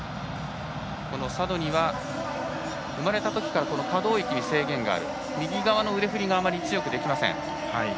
サドニは生まれたときに稼働域に制限がある右側の腕振りがあまり強くできません。